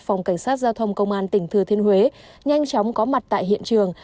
phòng cảnh sát giao thông công an tỉnh thừa thiên huế nhanh chóng có mặt tại hiện trường